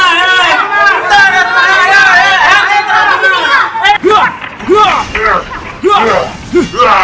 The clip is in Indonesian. yg sudah nicpot sky